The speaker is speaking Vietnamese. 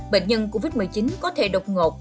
bệnh nhân covid một mươi chín có thể độc ngột